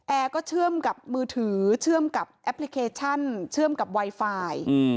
แอร์ก็เชื่อมกับมือถือเชื่อมกับแอปพลิเคชันเชื่อมกับไวไฟ